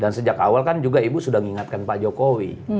dan sejak awal kan juga ibu sudah mengingatkan pak jokowi